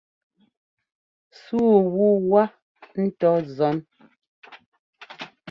Súu wu wá ŋ́tɔ zɔ́n.